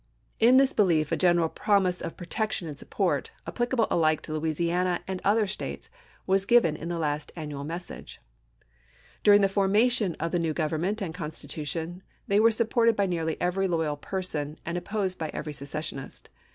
In this belief a general promise of protection and support, applicable alike to Louisiana and other States, was given in the last annual message. During the formation of the new government and constitution they were supported by nearly every loyal person, and opposed by every secessionist.